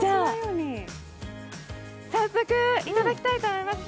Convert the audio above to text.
早速いただきたいと思います。